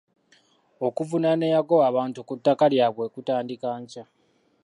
Okuvunaana eyagoba abantu ku ttaka lyabwe kutandika nkya.